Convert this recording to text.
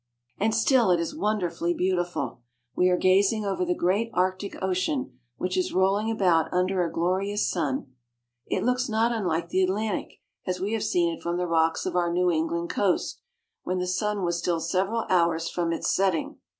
And still it is wonderfully beautiful. We are gazing over the great Arctic Ocean, which is rolling about under a glorious sun. It looks not unlike the Atlantic as we have seen it from the rocks of our New England coast, when the sun was still several hours from its setting.